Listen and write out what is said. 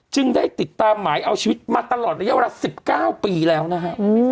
ได้ติดตามหมายเอาชีวิตมาตลอดระยะเวลา๑๙ปีแล้วนะฮะ